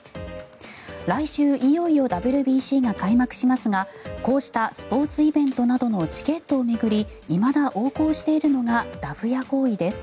来週いよいよＷＢＣが開幕しますがこうしたスポーツイベントなどのチケットを巡りいまだ横行しているのがダフ屋行為です。